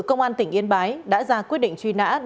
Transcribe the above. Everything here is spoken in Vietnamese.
công an tỉnh yên bái đã ra quyết định truy nã